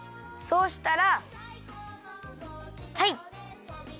そうしたらたい。